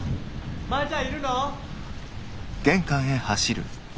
・マヤちゃんいるの？